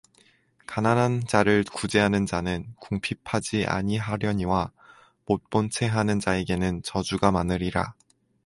가난한 자를 구제하는 자는 궁핍하지 아니 하려니와 못본체 하는 자에게는 저주가 많으리라